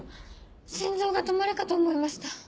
心臓が止まるかと思いました。